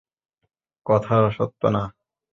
কথাটা সত্য না।